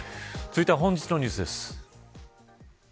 続いては本日のニュースです。